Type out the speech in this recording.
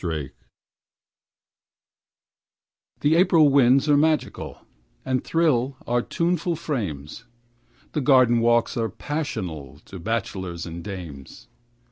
APRIL The April winds are magical And thrill our tuneful frames; The garden walks are passional To bachelors and dames.